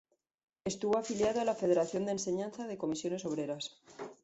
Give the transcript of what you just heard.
Estuvo afiliado a la Federación de Enseñanza de Comisiones obreras.